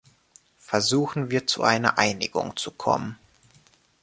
Versuchen wir zu einer Einigung zu kommen.